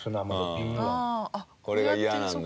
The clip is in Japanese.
これがイヤなんだ。